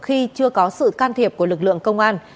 khi chưa có sự can thiệp của lực lượng công an